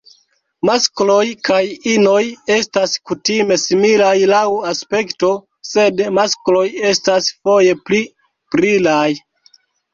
Maskloj kaj inoj estas kutime similaj laŭ aspekto, sed maskloj estas foje pli brilaj.